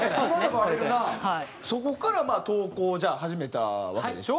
そこから投稿をじゃあ始めたわけでしょ？